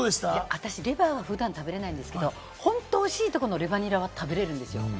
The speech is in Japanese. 私、レバー、普段、食べられないんですけど、本当に美味しいとこのレバニラは食べられるんですよ。